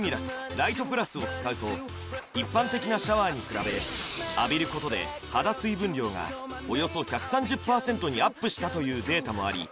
・ライトプラスを使うと一般的なシャワーに比べ浴びることで肌水分量がおよそ１３０％にアップしたというデータもあり